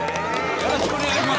◆よろしくお願いします。